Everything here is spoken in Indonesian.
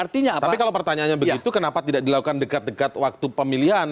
tapi kalau pertanyaannya begitu kenapa tidak dilakukan dekat dekat waktu pemilihan